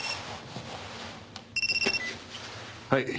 はい。